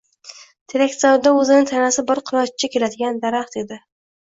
Terakzorda o‘zini tanasi bir qulochcha keladigan daraxt edi